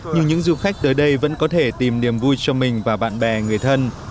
nhưng những du khách tới đây vẫn có thể tìm niềm vui cho mình và bạn bè người thân